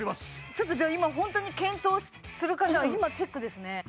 ちょっとじゃあ今ホントに検討する方今チェックですね